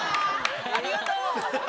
ありがとう！